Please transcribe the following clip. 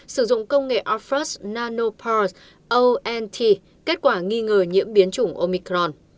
sử dụng công nghệ arthros nanopart ont kết quả nghi ngờ nhiễm biến chủng omicron